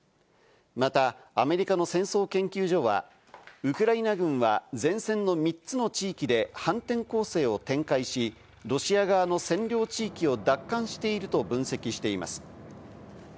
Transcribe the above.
また、アメリカの戦争研究所はウクライナ軍は前線の３つの地域で反転攻勢を展開し、ロシア側の占領地域を奪還していると分析しています。